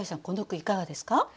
この句いかがですか？